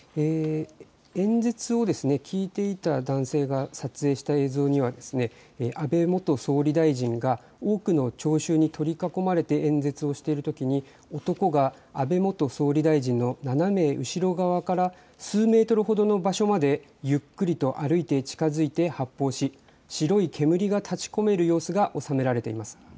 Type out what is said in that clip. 演説を聞いていた男性が撮影した映像には安倍元総理大臣が多くの聴衆に取り囲まれて演説をしているときに男が安倍元総理大臣の斜め後ろ側から数メートルほどの場所までゆっくりと歩いて近づいて発砲し白い煙が立ち込める様子が収められています。